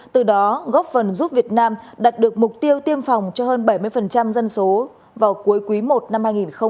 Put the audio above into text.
từ đó góp phần giúp việt nam đạt được mục tiêu tiêm phòng cho hơn bảy mươi dân số vào cuối quý i năm hai nghìn hai mươi